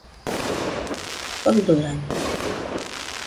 Faɨdoraño